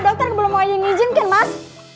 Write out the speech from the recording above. dokter belum ngajakin izin kan mas